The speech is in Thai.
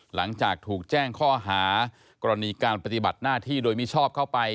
หลังจากถูกแจ้งข้อหากรณีการปฏิบัติหน้าที่โดยมิชอบเข้าไป